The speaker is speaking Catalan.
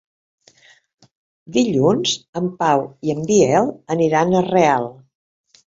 Dilluns en Pau i en Biel aniran a Real.